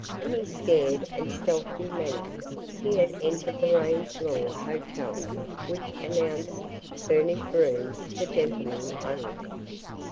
In his scared and stealthy manner, he had entered the Raines Law hotel which announced "Furnished Rooms for Gentlemen Only."